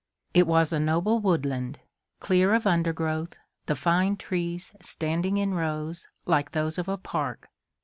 It was a noble woodland, clear of undergrowth, the fine trees standing in rows, like those of a park.